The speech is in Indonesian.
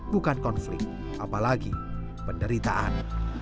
bukan konflik apalagi penderitaan